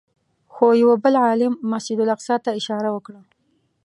خو یوه بل عالم مسجد اقصی ته اشاره وکړه.